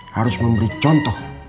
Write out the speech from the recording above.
harus memberi contoh